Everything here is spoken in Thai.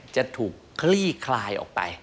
จะถูกคลี่คลายออกไป